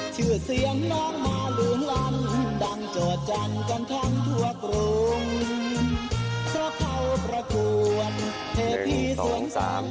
สวนต่างของเมืองสุภัณฑ์